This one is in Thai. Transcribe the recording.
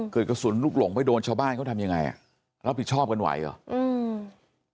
กระสุนลูกหลงไปโดนชาวบ้านเขาทำยังไงอ่ะรับผิดชอบกันไหวเหรออืม